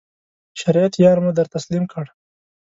شریعت یار مو در تسلیم کړ.